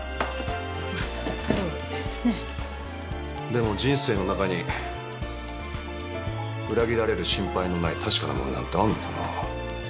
でも人生の中に裏切られる心配のない確かなものなんてあんのかな？